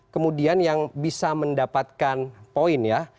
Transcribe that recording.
kemudian yang bisa mendapatkan poin ya